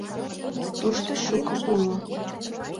Тушто шуко уло».